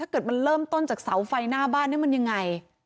เกิดมันเริ่มต้นจากเสาไฟหน้าบ้านมันยังไง